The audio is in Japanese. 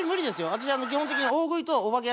私基本的に。